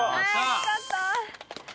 よかった。